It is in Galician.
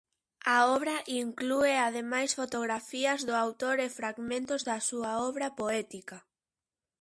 A obra inclúe ademais fotografías do autor e fragmentos da súa obra poética.